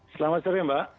selamat sore mbak